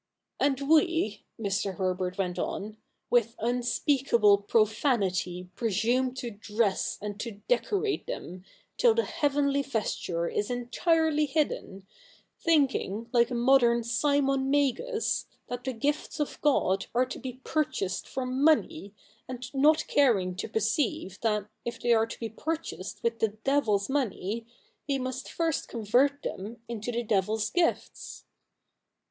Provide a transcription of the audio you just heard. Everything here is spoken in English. ' And we,' Mr. Herbert went on, ' with unspeak able profanity presume to dress and to decorate them, till the heavenly vesture is entirely hidden, thinking, like a modern Simon Magus, that the gifts of God are to be purchased for money, and not caring to perceive that, if they are to be purchased with the devil's money, we must first convert them into the devil's gifts.'